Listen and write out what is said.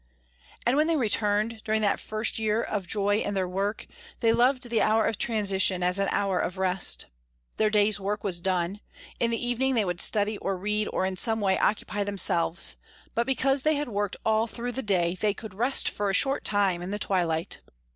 And when they returned, during that first year of joy in their work, they loved the hour of transition as an hour of rest. Their day's work was done; in the evening they would study or read or in some way occupy themselves, but because they had worked all through the day they could rest for a short time in the twilight.